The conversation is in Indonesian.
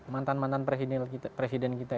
mantan mantan presiden kita